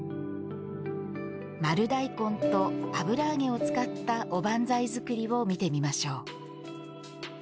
丸大根と油揚げを使ったおばんざい作りを見てみましょう。